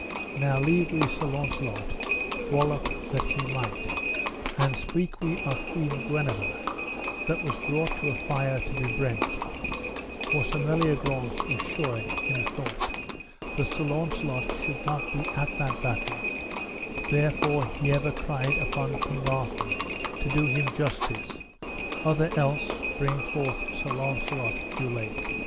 Now leave we Sir Launcelot wallop all that he might, and speak we of Queen Guenever that was brought to a fire to be brent; for Sir Meliagrance was sure, him thought, that Sir Launcelot should not be at that battle; therefore he ever cried upon King Arthur to do him justice, other else bring forth Sir Launcelot du Lake.